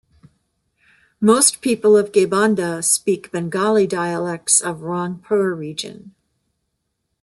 Most people of Gaibandha speak Bengali Dialects of Rangpur Region.